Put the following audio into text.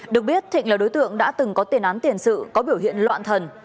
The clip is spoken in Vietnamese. được biết thịnh là đối tượng đã từng có tiền án tiền sự có biểu hiện loạn thần